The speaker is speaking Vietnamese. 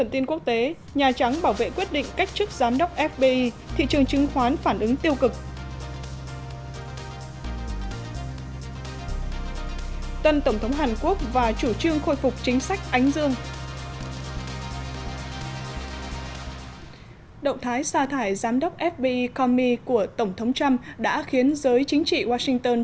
tổng thống trump đã khiến giới chính trị washington